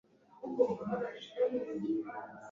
kandi kubwo guterwa isoni n’uko bagenzi babo bazabatahura,